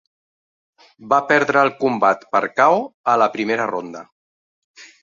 Va perdre el combat per KO a la primera ronda.